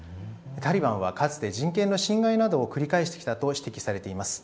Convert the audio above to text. タリバンはかつて人権の侵害などを繰り返してきたと指摘されています。